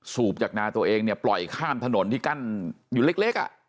สูบจากนาตัวเองเนี่ยปล่อยข้ามถนนที่กั้นอยู่เล็ก